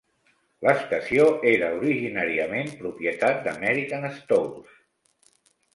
L'estació era, originàriament, propietat d'American Stores.